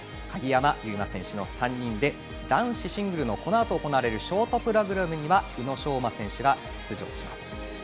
鍵山優真選手の３人で男子シングルこのあと行われるショートプログラムには宇野昌磨選手が出場します。